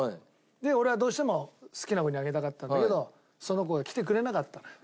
俺はどうしても好きな子にあげたかったんだけどその子が来てくれなかったのよ。